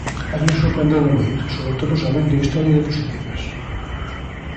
A min sorprendeume moito, sobre todo sabendo a historia de Positivas.